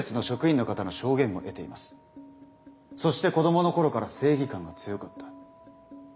そして子供の頃から正義感が強かった。